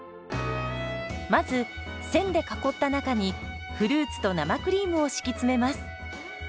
まず線で囲った中にフルーツと生クリームを敷き詰めます。